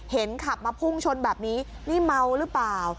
เห็นขับมาพุ่งชนแบบนี้นี่เมาหรือเปล่า